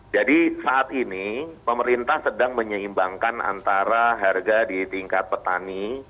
jadi saat ini pemerintah sedang menyeimbangkan antara harga di tingkat petani